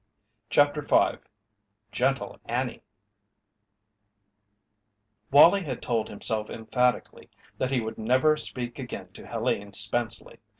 CHAPTER V "GENTLE ANNIE" Wallie had told himself emphatically that he would never speak again to Helene Spenceley.